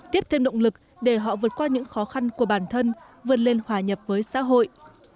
tiếp thêm động lực để họ vượt qua những khó khăn của bản thân vượt lên hòa nhập với xã hội